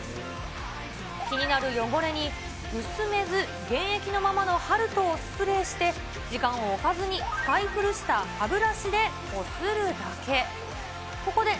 気になる汚れに、薄めず原液のままのハルトをスプレーして、時間を置かずに使い古した歯ブラシでこするだけ。